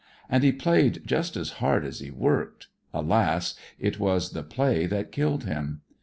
And he played just as hard as he worked alas, it was the play that killed him!